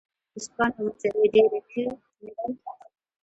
آیا ورځپاڼې او مجلې ډیرې نه دي؟